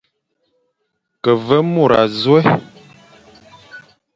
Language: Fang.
Ke veñ môr azôe,